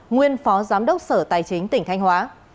nguyên phó giám đốc sở tài chính tỉnh thanh hóa